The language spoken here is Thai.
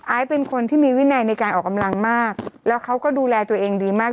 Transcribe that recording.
เป็นคนที่มีวินัยในการออกกำลังมากแล้วเขาก็ดูแลตัวเองดีมาก